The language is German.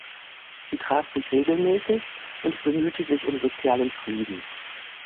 Sie traf sich regelmäßig und bemühte sich um sozialen Frieden.